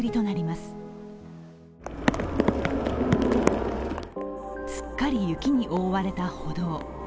すっかり雪に覆われた歩道。